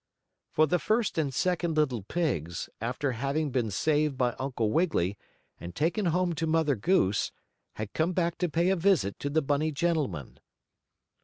For the first and second little pigs, after having been saved by Uncle Wiggily, and taken home to Mother Goose, had come back to pay a visit to the bunny gentleman.